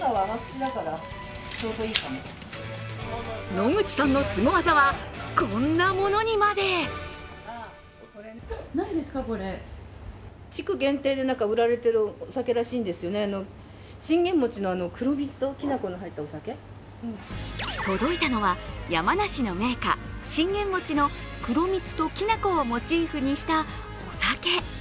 野口さんのスゴ技はこんなものにまで届いたのは山梨の銘菓信玄餅の黒蜜ときな粉をモチーフにしたお酒。